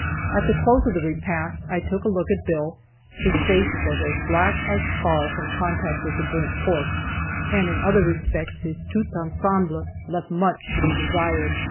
At the close of the repast, I took a look at Bill. His face was as black as tar from contact with the burnt pork, and in other respects his "tout ensemble" "left much to be desired."